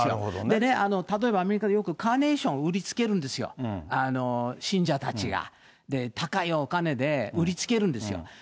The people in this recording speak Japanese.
でね、例えばアメリカでよくカーネーションを売りつけるんですよ、信者たちが、高いお金で売りつけるんですよ。